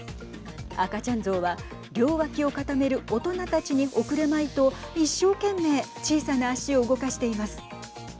赤ちゃんゾウは両脇を固める大人たちに遅れまいと一生懸命小さな足を動かしています。